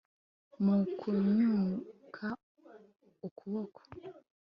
mu kunyunyuka ukuboko